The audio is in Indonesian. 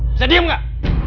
bisa diem gak